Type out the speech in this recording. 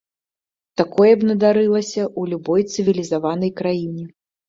Такое б надарылася ў любой цывілізаванай краіне.